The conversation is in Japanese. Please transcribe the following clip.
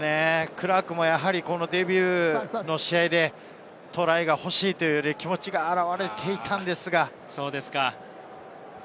クラークもデビュー戦でトライが欲しいという気持ちが表れていたんですが。